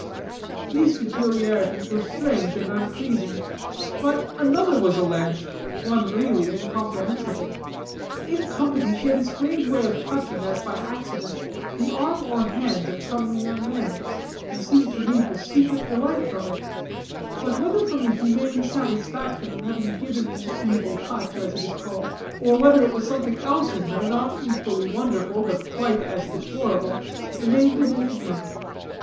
These peculiarities were strange and unpleasing; but another was alleged, one really incomprehensible. In company she had a strange way of touching, as by accident, the arm or hand of comely young men, and seemed to reap a secret delight from it, but whether from the humane satisfaction of having given the evil touch, as it is called, or whether it was something else in her, not equally wonderful, but quite as deplorable, remained an enigma.